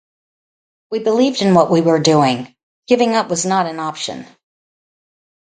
We believed in what we were doing...Giving up was not an option.